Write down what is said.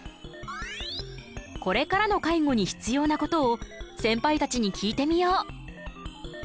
これからの介護に必要なことをセンパイたちに聞いてみよう。